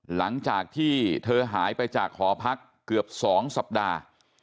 หลังจากที่เธอหายไปจากหอพักเกือบ๒สัปดาห์